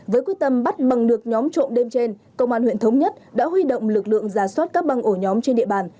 với quyết tâm bắt bằng được nhóm trộm đêm trên công an huyện thống nhất đã huy động lực lượng ra soát các băng ổ nhóm trên địa bàn